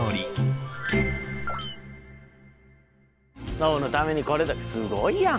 ノブのためにこれすごいやん。